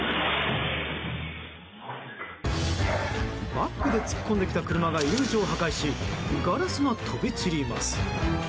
バックで突っ込んできた車が入り口を破壊しガラスが飛び散ります。